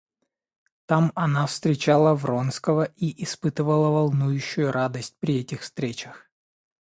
Там она встречала Вронского и испытывала волнующую радость при этих встречах.